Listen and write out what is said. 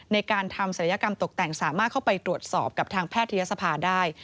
ในการทำศัลยกรรมตกแต่งสามารถเข้าไปตรวจสอบกับทางแพทยศภาได้